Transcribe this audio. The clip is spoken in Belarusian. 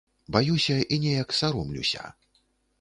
Баюся і неяк саромлюся.